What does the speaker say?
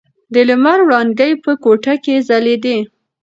د لمر وړانګې په کوټه کې ځلېدې.